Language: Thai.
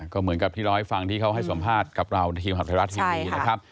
ก็เหมือนกับที่เราให้ฟังที่เขาให้สัมภาษณ์กับเราในทีมข่าวไทยรัฐทีวีนะครับ